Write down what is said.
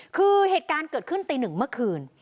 คือเหตุการณ์เกิดขึ้นตีหนึ่งเมื่อคืน